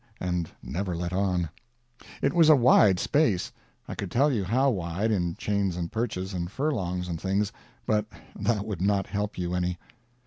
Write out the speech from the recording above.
and never let on. It was a wide space; I could tell you how wide, in chains and perches and furlongs and things, but that would not help you any.